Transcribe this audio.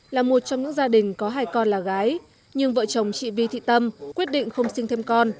là một trong những gia đình có hai con là gái nhưng vợ chồng chị vi thị tâm quyết định không sinh thêm con